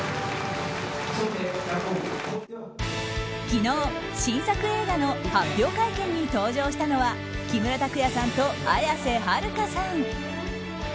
昨日、新作映画の発表会見に登場したのは木村拓哉さんと綾瀬はるかさん。